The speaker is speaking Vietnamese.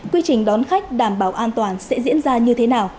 quy trình đón khách đảm bảo an toàn sẽ diễn ra như thế nào